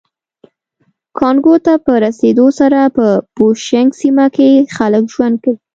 کانګو ته په رسېدو سره په بوشونګ سیمه کې خلک ژوند کوي